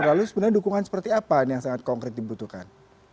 lalu sebenarnya dukungan seperti apa yang sangat konkret dibutuhkan